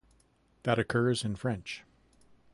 That occurs in French.